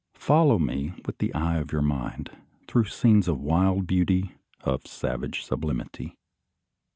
Follow me, with the eye of your mind, through scenes of wild beauty, of savage sublimity.